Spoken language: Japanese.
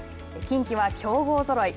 近畿は強豪ぞろい。